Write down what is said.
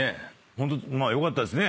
ホントよかったですね